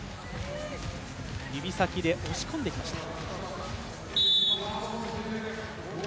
指先で押し込んできました。